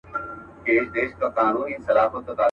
چا ویله چي ګوربت دي زموږ پاچا وي.